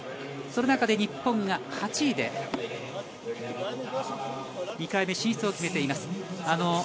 その中で日本が８位で２回目進出を決めています。